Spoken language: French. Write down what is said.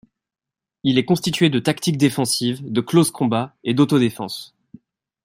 Il est constitué de tactiques défensives, de close combat et d'auto-défense.